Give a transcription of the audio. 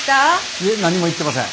いえ何も言ってません。